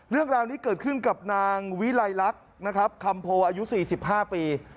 เรื่องราวนี้เกิดขึ้นกับนางวิลัยรักคำโพออายุ๔๕ปี